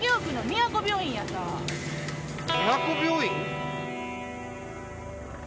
都病院？